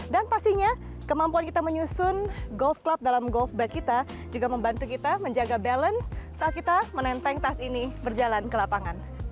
dan pastinya kemampuan kita menyusun golf club dalam golf bag kita juga membantu kita menjaga balance saat kita menenteng tas ini berjalan ke lapangan